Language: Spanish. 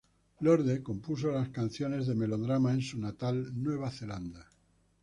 Lorde compuso las canciones de Melodrama en su natal Nueva Zelanda.